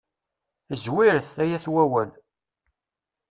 Zwiret, ay at wawal.